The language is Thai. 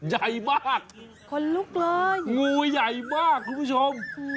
ใหญ่มากงูใหญ่มากคุณผู้ชม